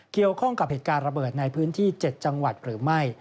เกี่ยวข้องกับเหตุการณ์ระเบิดในพื้นที่๗จังหวัดหรือไม่